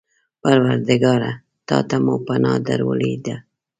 پروردګاره! تا ته مو پناه در وړې ده.